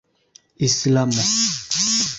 islamo